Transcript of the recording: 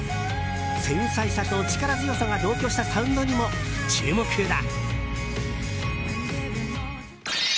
繊細さと力強さが同居したサウンドにも注目だ。